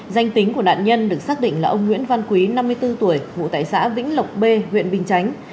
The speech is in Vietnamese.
danh tính của nạn nhân được xác định là ông nguyễn văn quý năm mươi bốn tuổi ngụ tại xã vĩnh lộc b huyện bình chánh